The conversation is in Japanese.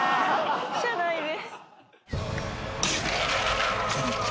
車内で。